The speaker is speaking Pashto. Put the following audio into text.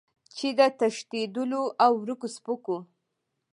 چې د تښتېدلو او ورکو سپکو